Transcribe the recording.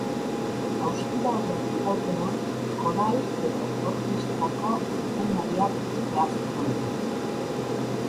Haustura horren iraupena koral edo orkestrako zuzendariak zehaztu ohi du.